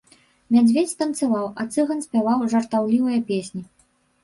Мядзведзь танцаваў, а цыган спяваў жартаўлівыя песні.